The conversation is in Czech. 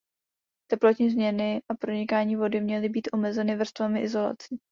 Teplotní změny a pronikání vody měly být omezeny vrstvami izolací.